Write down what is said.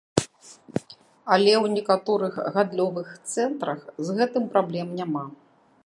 Але ў некаторых гандлёвых цэнтрах з гэтым праблем няма.